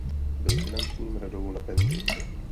Byl finančním radou na penzi.